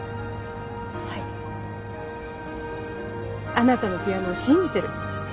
あなたのピアノを信じてる。